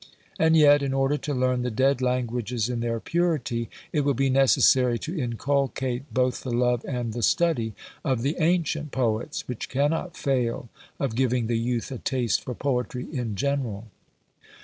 And yet, in order to learn the dead languages in their purity, it will be necessary to inculcate both the love and the study of the ancient poets, which cannot fail of giving the youth a taste for poetry, in general."